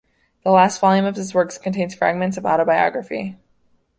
The last volume of his works contains fragments of autobiography.